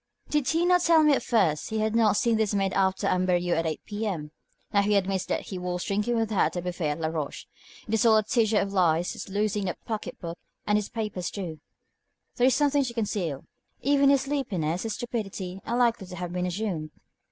Did he not tell me at first he had not seen this maid after Amberieux at 8 P.M.? Now he admits that he was drinking with her at the buffet at Laroche. It is all a tissue of lies, his losing the pocket book and his papers too. There is something to conceal. Even his sleepiness, his stupidity, are likely to have been assumed."